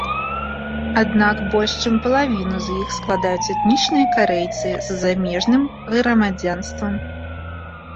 Аднак, больш чым палавіну з іх складаюць этнічныя карэйцы з замежным грамадзянствам.